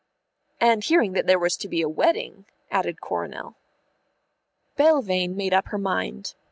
"And hearing that there was to be a wedding," added Coronel Belvane made up her mind.